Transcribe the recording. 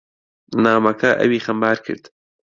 نامەکە ئەوی خەمبار کرد.